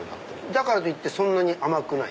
だからってそんなに甘くない。